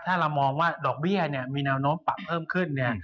ถ้าเรามองว่าดอกเบี้ยมีแนวโน้มปรับเพิ่มขึ้น